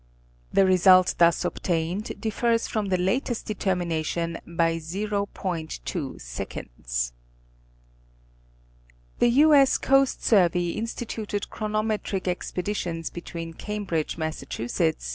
The result thus obtained differs from the latest determination by 0°.2. The U. 8. Coast Survey instituted chronometric expeditions between Cambridge, Mass.